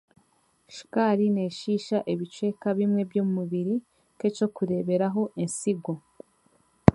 Shukaari n'eshiisha ebicweka bimwe by'omubiri nk'ekyokureeberaho entsigo